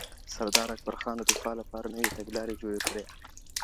سردار اکبرخان د دفاع لپاره نوې تګلارې جوړې کړې.